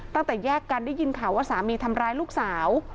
ตั้งแต่แยกกันได้ยินข่าวว่าสามีทำร้ายลูกสาว